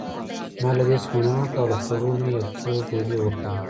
ما له دې څخه مننه وکړ او له خوړو مې یو څو ګولې وخوړې.